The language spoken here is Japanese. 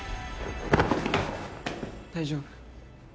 大丈夫？